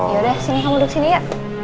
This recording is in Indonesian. yaudah sini kamu duduk sini ya